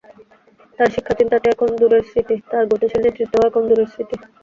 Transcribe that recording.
তাঁর শিক্ষাচিন্তাটি এখন দূরের স্মৃতি, তাঁর গতিশীল নেতৃত্বও এখন দূরের স্মৃতি।